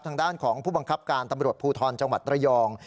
ทางด้านของผู้บังคับการตำรวจภูทรจังหวัดระยอง